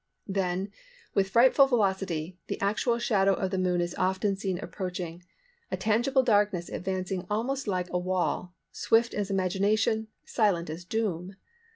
"Then, with frightful velocity, the actual shadow of the Moon is often seen approaching, a tangible darkness advancing almost like a wall, swift as imagination, silent as doom.